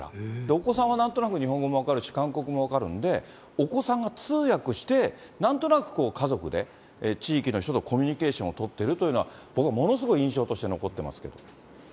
お子さんはなんとなく日本語も分かるし、韓国語も分かるんで、お子さんが通訳して、なんとなく家族で地域の人とコミュニケーションを取ってるというのは、僕はものすごい印象として残っていますけど。